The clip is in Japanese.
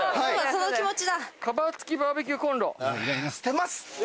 その気持ちだ。